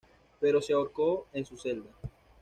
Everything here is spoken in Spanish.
Pero se ahorcó en su celda.